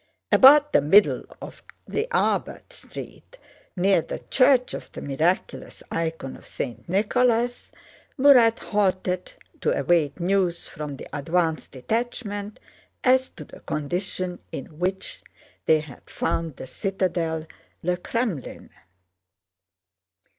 About the middle of the Arbát Street, near the Church of the Miraculous Icon of St. Nicholas, Murat halted to await news from the advanced detachment as to the condition in which they had found the citadel, le Kremlin.